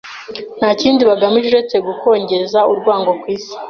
nta kindi bagamije uretse gukongeza urwango ku isi